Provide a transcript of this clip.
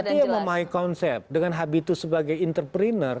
berarti yang memahami konsep dengan habitu sebagai entrepreneur